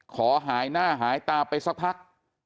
หายหน้าหายตาไปสักพัก